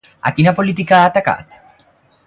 A quina política ha atacat?